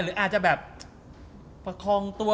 หรืออาจจะแบบประคองตัว